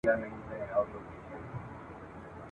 د خیر تمه به نه کوی له تورو خړو وریځو !.